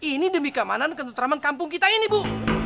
ini demi keamanan kentut ramah kampung kita ini bu